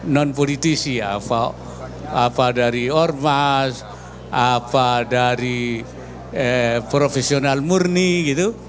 non politisi apa dari ormas apa dari profesional murni gitu